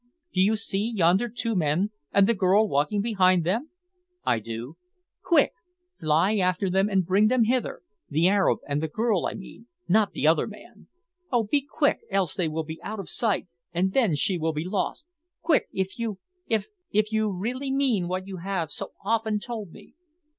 do you see yonder two men, and the girl walking behind them?" "I do." "Quick! fly after them and bring them hither the Arab and the girl I mean not the other man. Oh, be quick, else they will be out of sight and then she will be lost; quick, if you if if you really mean what you have so often told me."